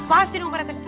pasti dong pak retin